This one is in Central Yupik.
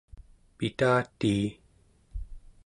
pitatii